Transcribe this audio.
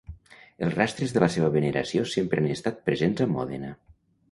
Els rastres de la seva veneració sempre han estat presents a Mòdena.